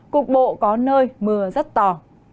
cục bộ có nơi mưa rất to